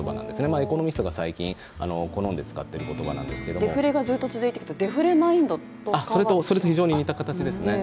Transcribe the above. エコノミストが最近好んで使っている言葉なんですがデフレが続いてきていて、デフレマインドとそれと近い形ですね。